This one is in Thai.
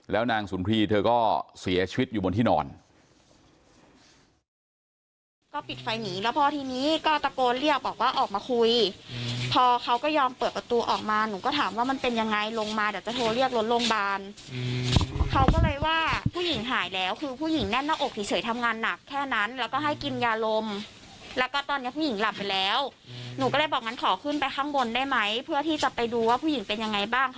แล้วนางสุนทรีย์เธอก็เสียชีวิตอยู่บนที่นอน